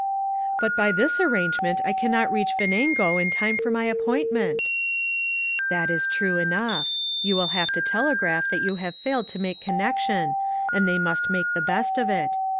"But by this arrangement I can not reach Venango in time for my appointment !"" That is true enough ; you will have to telegraph that you have failed to make con nection, and they must make the best of it.